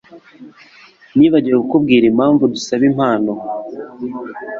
Nibagiwe kukubwira impamvu dusaba impano.